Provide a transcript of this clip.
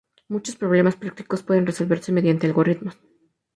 Muchos problemas prácticos pueden resolverse mediante algoritmos.